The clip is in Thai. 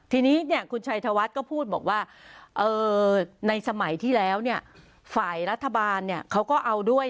ทีนี้คุณชัยธวัฒน์ก็พูดบอกว่าในสมัยที่แล้วเนี่ยฝ่ายรัฐบาลเขาก็เอาด้วย